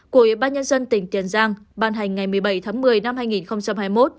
của bác nhân dân tỉnh tiền giang ban hành ngày một mươi bảy tháng một mươi năm hai nghìn một mươi chín